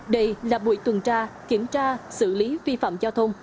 đây là buổi tuần tra kiểm tra xử lý vi phạm giao thông